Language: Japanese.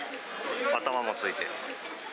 頭もついて。